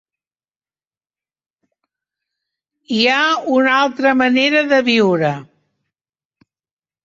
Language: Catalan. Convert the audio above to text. Hi ha una altra manera de viure.